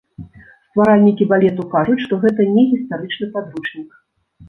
Стваральнікі балету кажуць, што гэта не гістарычны падручнік.